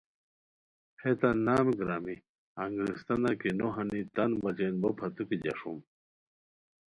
ہیتان نام گرامی انگریستانہ کی نو ہانی تان بچین بو پھتوکی جاݰوم